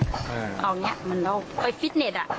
เอาอย่างนี้มันเราก็ค่อยฟิตเนส